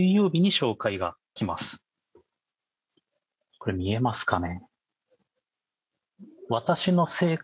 これ見えますかね。